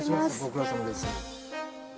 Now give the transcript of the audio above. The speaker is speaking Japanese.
ご苦労さまです。